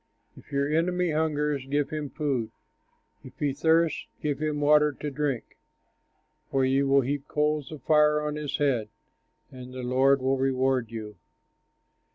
If your enemy hungers, give him food; If he thirsts, give him water to drink; For you will heap coals of fire on his head, And the Lord will reward you.